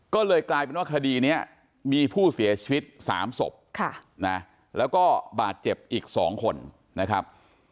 ก็เลยกลายเป็นว่าคดีนี้มีผู้เสียชีวิต๓ศพแล้วก็บาดเจ็บอีก๒คนนะครับ